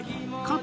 か